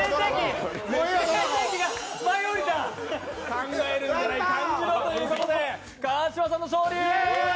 考えるんじゃない感じろということで川島さんの勝利！